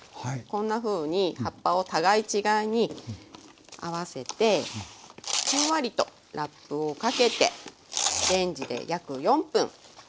こんなふうに葉っぱを互い違いに合わせてふんわりとラップをかけてレンジで約４分加熱して下さい。